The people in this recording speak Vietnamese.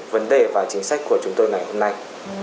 vấn đề và chính sách của chúng tôi ngày hôm nay